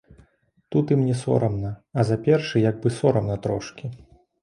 Тут ім не сорамна, а за першы як бы сорамна трошкі.